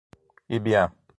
Ibiam